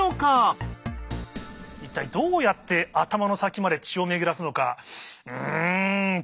一体どうやって頭の先まで血を巡らすのか。